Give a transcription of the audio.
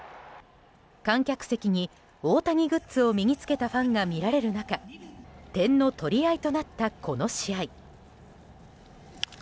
観客席に大谷グッズを身に着けたファンが見られる中点の取り合いとなったこの試合。